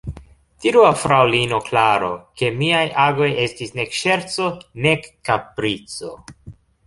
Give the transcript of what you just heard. Diru al fraŭlino Klaro, ke miaj agoj estis nek ŝerco, nek kaprico.